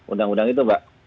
undang undang itu mbak